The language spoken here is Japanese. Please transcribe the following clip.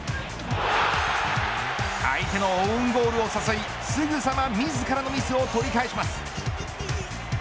相手のオウンゴールを誘いすぐさま自らのミスを取り返します。